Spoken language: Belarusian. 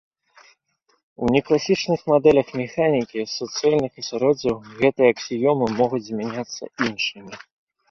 У некласічных мадэлях механікі суцэльных асяроддзяў гэтыя аксіёмы могуць замяняцца іншымі.